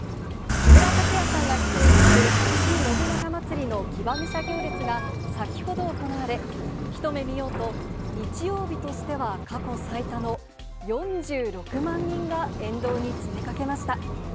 木村拓哉さんが出演するぎふ信長まつりの騎馬武者行列が先ほど行われ、一目見ようと、日曜日としては過去最多の４６万人が沿道に詰めかけました。